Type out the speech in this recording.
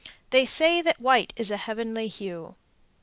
They say that white is a heavenly hue.